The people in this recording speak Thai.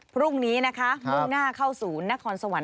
พรุ่งนี้นะคะมุ่งหน้าเข้าศูนย์นครสวรรค